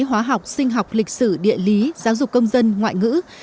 hóa học sinh học lịch sử địa lý giáo dục công dân ngoại ngữ